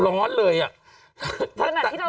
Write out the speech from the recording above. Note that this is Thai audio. กล้องกว้างอย่างเดียว